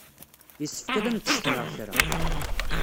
Yessefk ad am-d-ssekneɣ kra.